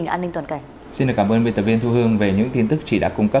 kính chào quý vị và các bạn đến với tiểu mục lệnh truy nã